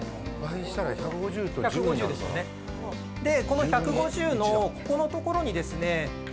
この１５０のここの所にですね